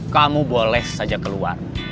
kamu boleh saja keluar